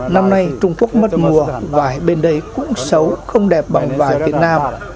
năm nay trung quốc mất mùa và bên đây cũng xấu không đẹp bằng vải việt nam